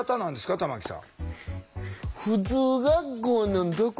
玉木さん。